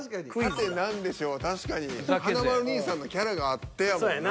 「さて何でしょう」は確かに華丸兄さんのキャラがあってやもんな。